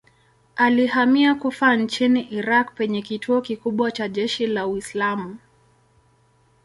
Alihamia Kufa nchini Irak penye kituo kikubwa cha jeshi la Uislamu.